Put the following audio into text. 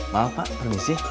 maaf pak permisi